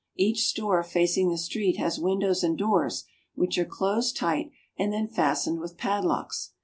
Each store facing the street has windows and doors, which are closed tight and then fas tened with padlocks.